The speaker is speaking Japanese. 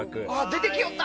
出てきよった！